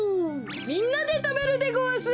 みんなでたべるでごわす！